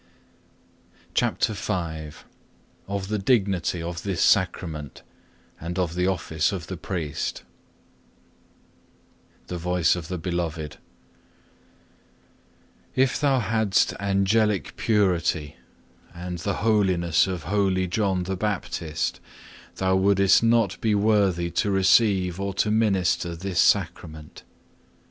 CHAPTER V Of the dignity of this Sacrament, and of the office of the priest The Voice of the Beloved If thou hadst angelic purity and the holiness of holy John the Baptist, thou wouldest not be worthy to receive or to minister this Sacrament.